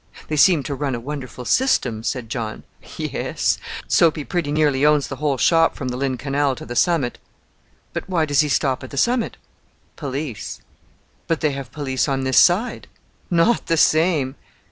"They seem to run a wonderful system," said John. "Yes; Soapy pretty nearly owns the whole shop from the Lynn Canal to the summit." "But why does he stop at the summit?" "Police." "But they have police on this side." "Not the same."